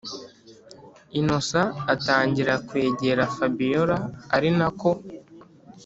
innocent atangira kwegera fabiora arinako